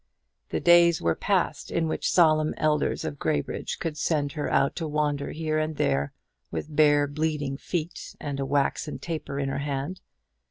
The days were past in which solemn elders of Graybridge could send her out to wander here and there with bare bleeding feet and a waxen taper in her hand.